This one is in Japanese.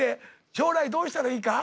将来どうしたらいいか？